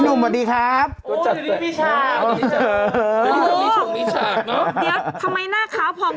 นุ่มโทรมาทำไม